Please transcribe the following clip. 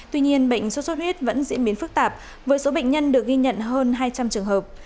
tuy nhiên bệnh xuất xuất huyết vẫn diễn biến phức tạp với số bệnh nhân được ghi nhận hơn hai trăm linh trường hợp